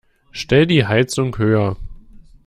Stell die Heizung höher.